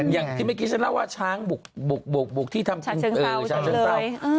อย่างที่เมื่อกี้ฉันเล่าว่าช้างบุกที่ทำกินชาเชิงเศร้า